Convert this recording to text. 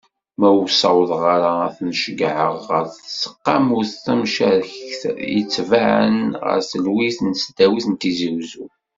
Ma ur ssawḍeɣ ara ad ten-ceyyɛeɣ ɣer tseqqamut tamcarekt, yettabaɛen ɣer tselwit n tesdawit n Tizi Uzzu.